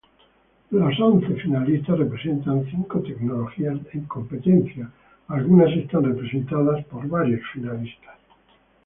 Los once finalistas representan cinco tecnologías en competencia, algunas están representados por varios finalistas.